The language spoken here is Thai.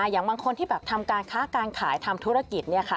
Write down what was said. อย่างบางคนที่ทำการค้าการขายทำธุรกิจ